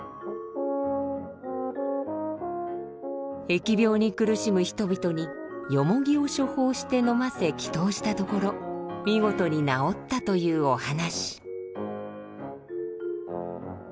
疫病に苦しむ人々にヨモギを処方して飲ませ祈祷したところ見事に治ったというお話。